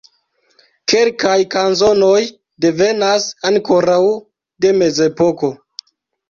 Kelkaj kanzonoj devenas ankoraŭ de mezepoko.